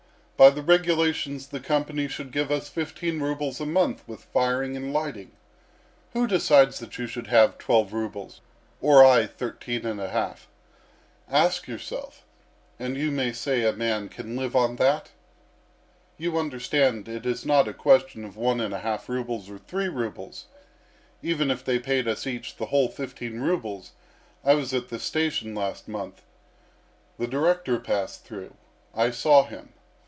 By the regulations the company should give us fifteen rubles a month with firing and lighting. Who decides that you should have twelve rubles, or I thirteen and a half? Ask yourself! And you say a man can live on that? You understand it is not a question of one and a half rubles or three rubles even if they paid us each the whole fifteen rubles. I was at the station last month. The director passed through. I saw him.